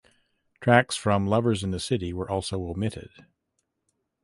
Tracks from "Lovers in the City" were also omitted.